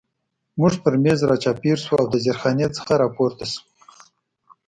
موږ پر مېز را چاپېر شو او د زیرخانې څخه را پورته شوي.